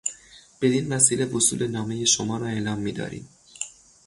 بدین وسیله وصول نامهی شما را اعلام میداریم.